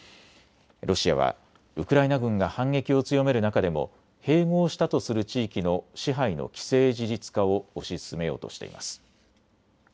ロシアはウクライナ軍が反撃を強める中でも併合したとする地域の支配の既成事実化を推し進めようとしています。